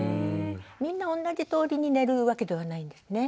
みんなおんなじとおりに寝るわけではないんですね。